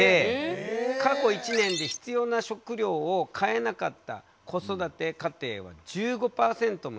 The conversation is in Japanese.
過去１年で必要な食料を買えなかった子育て家庭は１５％もいて。